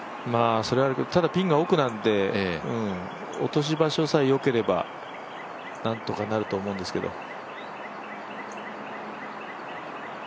それはあるけどただピンが奥なんで落とし場所さえ良ければなんとかなると思うんですけど。